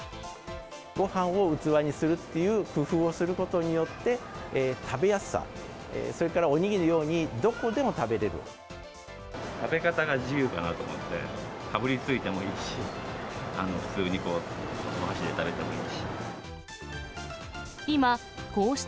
ごはんを器にするっていう工夫をすることによって、食べやすさ、それからお握りのように、食べ方が自由だなと思って、かぶりついてもいいし、普通にこう、お箸で食べてもいいし。